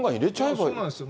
そうなんですよ。